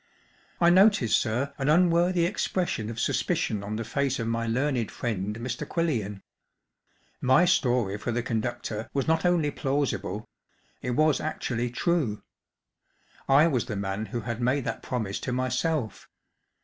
" I notice, sir, an unworthy expression of suspicion on the face of my learned friend Mr. Quillian. My story for the conductor was not only plausible‚ÄĒit was actually true. I was the man who had made that promise to myself.